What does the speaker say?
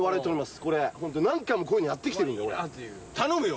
ホント何回もこういうのやってきてるんで俺頼むよ